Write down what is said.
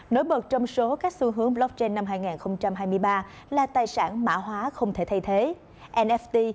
nổi bật trong số các xu hướng blockchain năm hai nghìn hai mươi ba là tài sản mã hóa không thể thay thế nft